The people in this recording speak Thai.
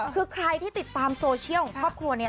คือใครที่ติดตามโซเชียลของครอบครัวเนี่ย